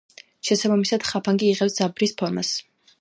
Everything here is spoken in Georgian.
შესაბამისად ხაფანგი იღებს ძაბრის ფორმას.